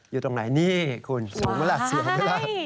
อยู่ตรงไหนนี่คุณสูงเวลาเสี่ยวเวลา